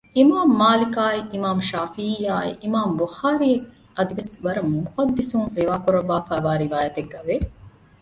އިމާމު މާލިކާއި އިމާމު ޝާފިޢީއާއި އިމާމު ބުޚާރީއާއި އަދިވެސް ވަރަށް މުޙައްދިޘުން ރިވާކުރަށްވާފައިވާ ރިވާޔަތެއްގައި ވެ